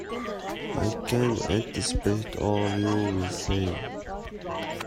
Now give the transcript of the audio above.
I can anticipate all you will say.